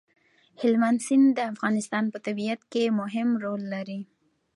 هلمند سیند د افغانستان په طبیعت کې مهم رول لري.